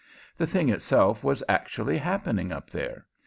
The thing itself was actually happening up there.